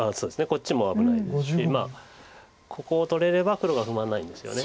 こっちも危ないしここを取れれば黒が不満ないんですよね。